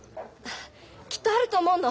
きっとあると思うの。